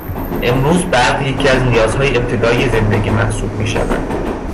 امروزه برق یکی از نیازهای ابتدایی زندگی محسوب میشود.